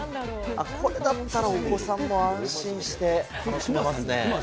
これだったらお子さんも安心して楽しめますね。